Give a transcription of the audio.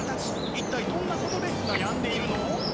一体どんなことで悩んでいるの？